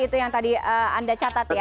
itu yang tadi anda catat ya